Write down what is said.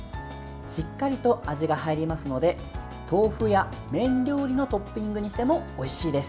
しっかりと味が入りますので豆腐や麺料理のトッピングにしてもおいしいです。